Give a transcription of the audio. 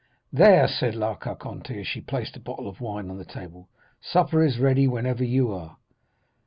"'There,' said La Carconte, as she placed a bottle of wine on the table, 'supper is ready whenever you are.